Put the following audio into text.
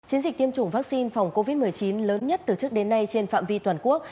chiến dịch tiêm chủng vaccine phòng covid một mươi chín lớn nhất từ trước đến nay trên phạm vi toàn quốc